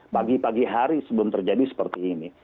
pagi pagi hari sebelum terjadi seperti ini